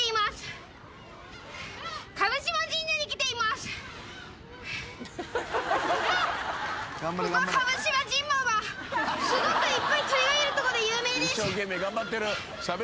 すごくいっぱい鳥がいるとこで有名です。